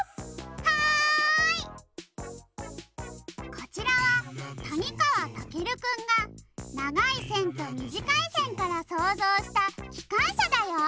こちらはたにかわたけるくんが「ながいせん」と「みじかいせん」からそうぞうしたきかんしゃだよ！